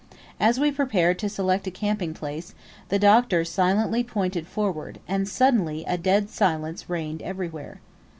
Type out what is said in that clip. As we prepared to select a camping place, the Doctor silently pointed forward, and suddenly a dead silence reigned everywhere.